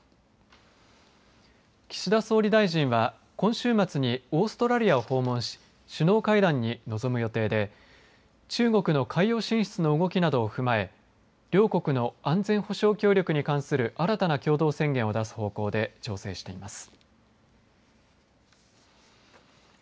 岸田総理大臣は今週末にオーストラリアを訪問し首脳会談に臨む予定で中国の海洋進出の動きなどを踏まえ両国の安全保障協力に関する新たな共同宣言を出す方向で調整しています。